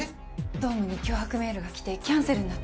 ドームに脅迫メールが来てキャンセルになったのよ。